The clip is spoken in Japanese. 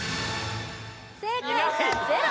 正解者ゼロ